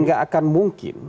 nggak akan mungkin